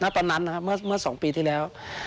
ตอนนั้นเมื่อ๒ปีที่แล้ว